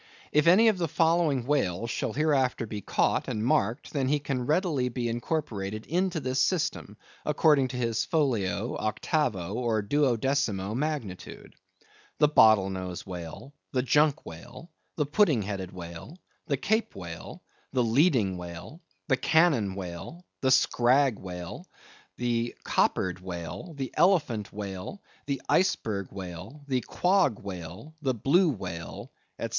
If any of the following whales, shall hereafter be caught and marked, then he can readily be incorporated into this System, according to his Folio, Octavo, or Duodecimo magnitude:—The Bottle Nose Whale; the Junk Whale; the Pudding Headed Whale; the Cape Whale; the Leading Whale; the Cannon Whale; the Scragg Whale; the Coppered Whale; the Elephant Whale; the Iceberg Whale; the Quog Whale; the Blue Whale; etc.